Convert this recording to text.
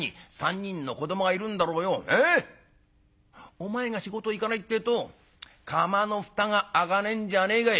お前が仕事行かないってえと釜の蓋が開かねえんじゃねえかい」。